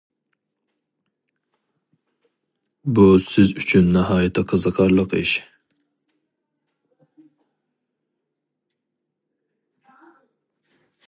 بۇ سىز ئۈچۈن ناھايىتى قىزىقارلىق ئىش.